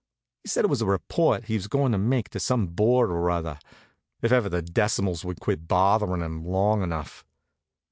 He said it was a report he was goin' to make to some board or other, if ever the decimals would quit bothering him long enough.